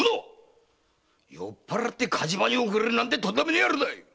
酔って火事場に遅れるなんてとんでもねえ野郎だ！